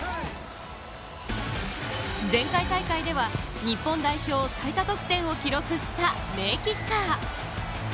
前回大会では日本代表最多得点を記録した、名キッカー。